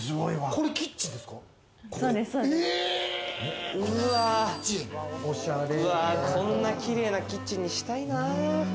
こんな綺麗なキッチンにしたいなぁ。